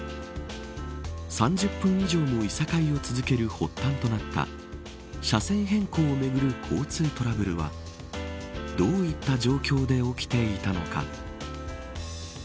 ３０分以上もいさかいを続ける発端となった車線変更をめぐる交通トラブルはどういった状況で起きていたのか。